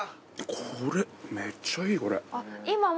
これめっちゃいいこれ。